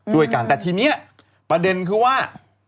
กันแต่ทีนี้ประเด็นคือว่า